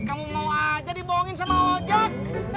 kamu mau aja dibohongin sama ojek